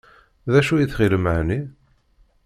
D acu i tɣilem εni?